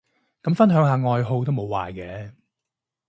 咁分享下愛好都無壞嘅